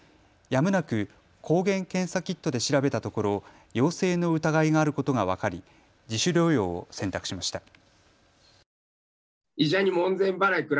やむなく抗原検査キットで調べたところ陽性の疑いがあることが分かり自主療養を選択しました。